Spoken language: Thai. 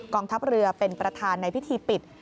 องทัพเรือเป็นประธานในพิธีปิด